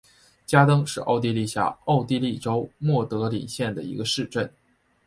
加登是奥地利下奥地利州默德林县的一个市镇。